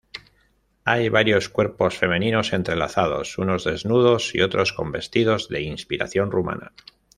Hay varios cuerpos femeninos entrelazados, unos desnudos y otros con vestidos de inspiración rumana.